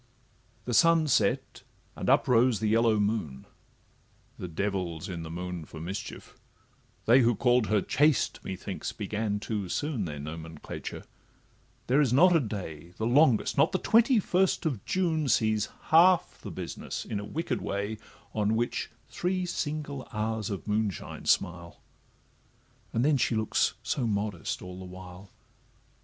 The sun set, and up rose the yellow moon: The devil 's in the moon for mischief; they Who call'd her CHASTE, methinks, began too soon Their nomenclature; there is not a day, The longest, not the twenty first of June, Sees half the business in a wicked way On which three single hours of moonshine smile— And then she looks so modest all the while.